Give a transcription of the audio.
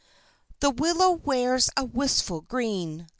The willow wears a wistful green.